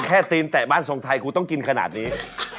ตีนแตะบ้านทรงไทยกูต้องกินขนาดนี้